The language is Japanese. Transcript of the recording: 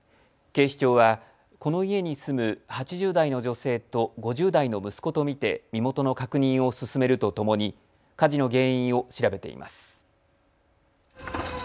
警視庁は、この家に住む８０代の女性と５０代の息子と見て身元の確認を進めるとともに火事の原因を調べています。